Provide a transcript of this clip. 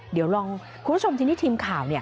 เดี๋ยวลองคุณผู้ชมทีนี้ทีมข่าว